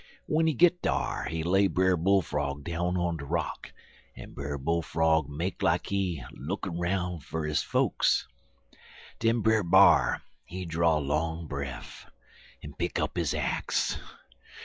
When he git dar he lay Brer Bullfrog down on de rock, en Brer Bull frog make like he lookin' 'roun' fer his folks. Den Brer B'ar, he draw long breff en pick up his axe.